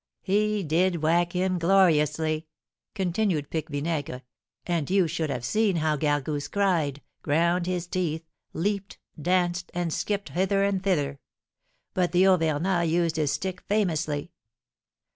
"He did whack him gloriously!" continued Pique Vinaigre. "And you should have seen how Gargousse cried, ground his teeth, leaped, danced, and skipped hither and thither; but the Auvergnat used his stick famously!